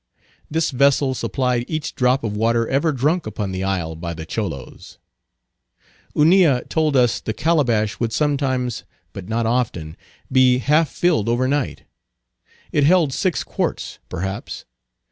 This vessel supplied each drop of water ever drunk upon the isle by the Cholos. Hunilla told us the calabash, would sometimes, but not often, be half filled overnight. It held six quarts, perhaps.